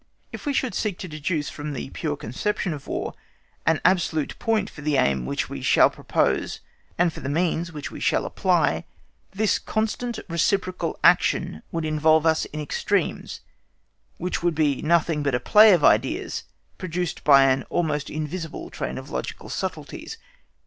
If we should seek to deduce from the pure conception of War an absolute point for the aim which we shall propose and for the means which we shall apply, this constant reciprocal action would involve us in extremes, which would be nothing but a play of ideas produced by an almost invisible train of logical subtleties.